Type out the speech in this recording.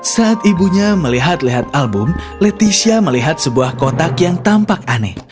saat ibunya melihat lihat album leticia melihat sebuah kotak yang tampak aneh